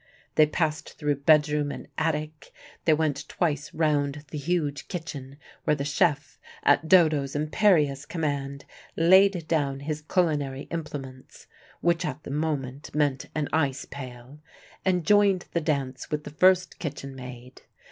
They passed through bedroom and attic, they went twice round the huge kitchen, where the chef, at Dodo's imperious command, laid down his culinary implements (which at the moment meant an ice pail) and joined the dance with the first kitchen maid.